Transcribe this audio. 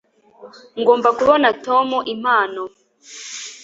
ngomba kubona tom impano